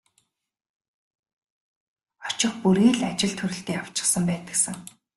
Очих бүрий л ажил төрөлтэй явчихсан байдаг сан.